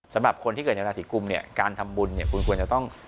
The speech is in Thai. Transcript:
สำหรับคนที่เกิดในราศีกุมเนี่ยการทำบุญเนี่ยคุณควรจะต้อง